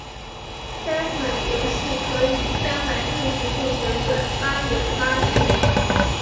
该款游戏可以三百六十度旋转拉远拉近。